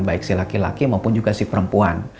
baik si laki laki maupun juga si perempuan